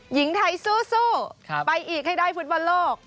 หญิงไทยสู้ไปอีกให้ได้ฟุตบอลโลก